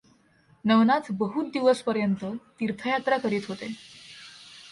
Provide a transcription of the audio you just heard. नवनाथ बहुत दिवसपर्यंत तीर्थयात्रा करित होते.